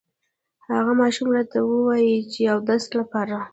هغه ماشوم راته ووې چې اودس لپاره